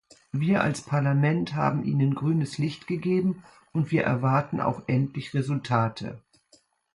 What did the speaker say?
Wir als Parlament haben Ihnen grünes Licht gegeben, und wir erwarten auch endlich Resultate.